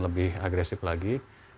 lebih agresif lagi